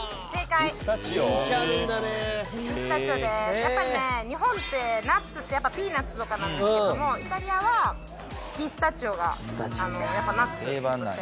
やっぱりね日本ってナッツってやっぱピーナツとかなんですけどもイタリアはピスタチオがやっぱナッツとして。